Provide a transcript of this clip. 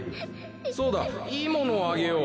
そうだいいものをあげよう。